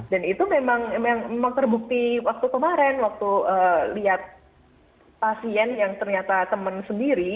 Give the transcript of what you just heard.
dan itu memang terbukti waktu kemarin waktu lihat pasien yang ternyata teman sendiri